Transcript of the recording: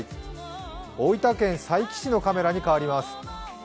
大分県佐伯市のカメラに変わります。